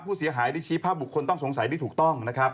ผู้เสียหายได้ชี้ภาพบุคคลต้องสงสัยได้ถูกต้องนะครับ